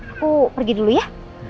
aku pergi dulu ya